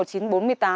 cháu chào ông ạ